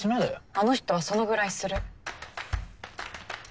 あの人はそのぐらいする。